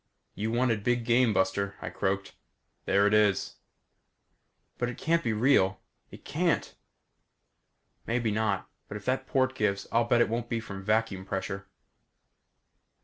"You wanted big game, buster," I croaked. "There it is." "But it can't be real. It can't!" "Maybe not, but if that port gives I'll bet it won't be from vacuum pressure."